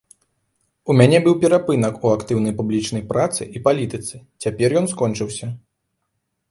У мяне быў перапынак у актыўнай публічнай працы і палітыцы, цяпер ён скончыўся.